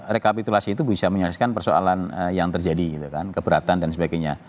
rekap petualang siswa itu bisa menyaliskan persoalan yang terjadi keberatan dan sebagainya